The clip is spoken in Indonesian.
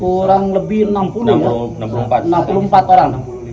kurang lebih enam puluh empat orang